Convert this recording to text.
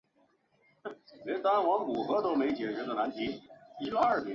赫德尔斯顿是位于美国阿肯色州蒙哥马利县的一个非建制地区。